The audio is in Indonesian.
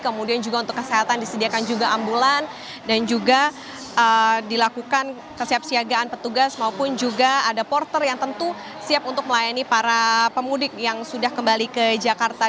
kemudian juga untuk kesehatan disediakan juga ambulan dan juga dilakukan kesiapsiagaan petugas maupun juga ada porter yang tentu siap untuk melayani para pemudik yang sudah kembali ke jakarta